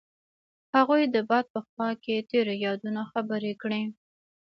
هغوی د باد په خوا کې تیرو یادونو خبرې کړې.